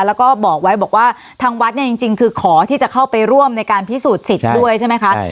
แล้วก็บอกไว้บอกว่าทางวัดเนี่ยจริงคือขอที่จะเข้าไปร่วมในการพิสูจน์สิทธิ์ด้วยใช่ไหมคะ